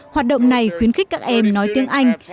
hoạt động này khuyến khích các em nói tiếng anh